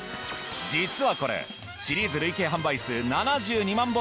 実はこれシリーズ累計販売数７２万